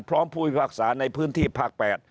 พร้อมผู้วิวักษาในพื้นที่ภาค๘